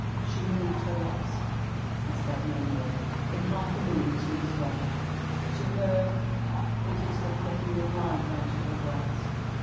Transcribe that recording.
She moved her lips. He said no more. In half a minute he was gone. To her it was the plucking of life out of her breast.